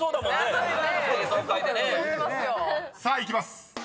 ［さあいきます。